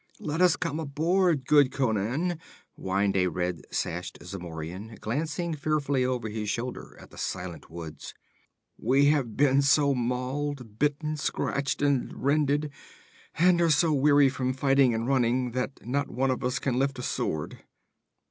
'Let us come aboard, good Conan,' whined a red sashed Zamorian, glancing fearfully over his shoulder at the silent woods. 'We have been so mauled, bitten, scratched and rended, and are so weary from fighting and running, that not one of us can lift a sword.'